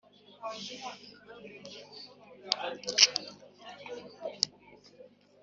bagize amoko anyuranye kandi bakaba Abahutu n'Abatutsi barimo bakavukire.